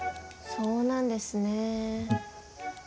そうなんですね。